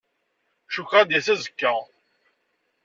Cukkeɣ ad d-yas azekka.